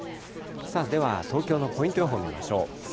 では、東京のポイント予報見ましょう。